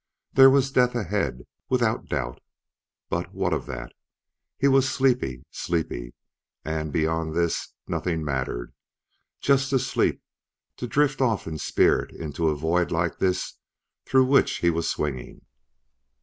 There was death ahead, without doubt but what of that? He was sleepy sleepy and beyond this nothing mattered. Just to sleep, to drift off in spirit into a void like this through which he was swinging....